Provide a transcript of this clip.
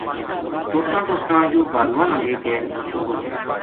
ٹُرتاں ٹُرتاں یوہ بھارواں نا لے کے مچھل پوہچھیو۔